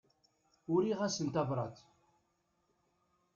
Uriɣ-asen tabrat.